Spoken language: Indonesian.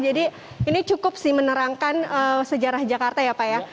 jadi ini cukup sih menerangkan sejarah jakarta ya pak ya